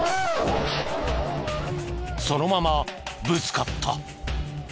そのままぶつかった。